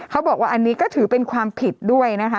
เขาบอกว่าอันนี้ก็ถือเป็นความผิดด้วยนะคะ